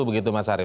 begitu mas harif